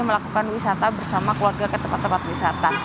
melakukan wisata bersama keluarga ke tempat tempat wisata